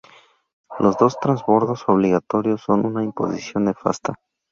Los dos transbordos obligatorios son una imposición nefasta